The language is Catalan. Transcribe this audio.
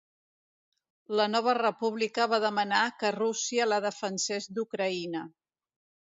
La nova república va demanar que Rússia la defensés d'Ucraïna.